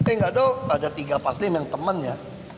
eh gak tau ada tiga partai yang temen ya